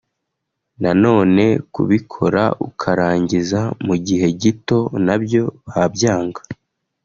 na none kubikora ukarangiza mu gihe gito nabyo babyanga